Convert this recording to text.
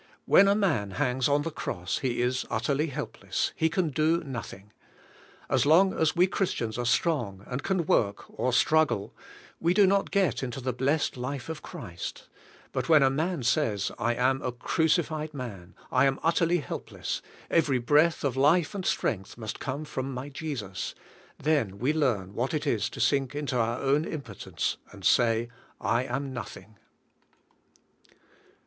When a man hangs on the cross, he is utterly helpless, he can do nothing. As long as we Christians are strong, and can work, or struggle, we do not get into the blessed life of Christ; but when a man says, "I am a crucified man, I am utterly help less, ever}^ breath of life and strength must come from my Jesus," then we learn what it is to sink into our own impotence, and say, *' I am nothing."